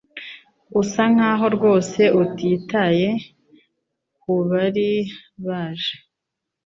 Usa nkaho rwose utitaye kubari baje